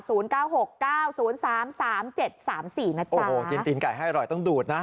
โอ้โหกินตีนไก่ให้อร่อยต้องดูดนะ